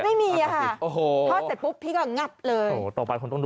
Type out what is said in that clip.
ไม่มีค่ะพอเสร็จปุ๊บพี่ก็งับเลย